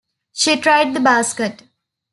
She tried the basket.